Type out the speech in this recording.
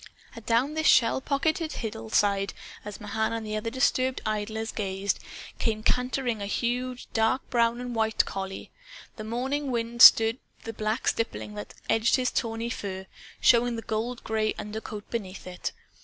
Adown this shell pocked hillside, as Mahan and the other disturbed idlers gazed, came cantering a huge dark brown and white collie. The morning wind stirred the black stippling that edged his tawny fur, showing the gold gray undercoat beneath it.